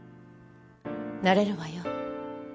なれるわよ。